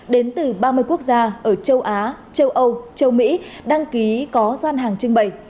đến từ ba mươi quốc gia ở châu á châu âu châu mỹ đăng ký có gian hàng trưng bày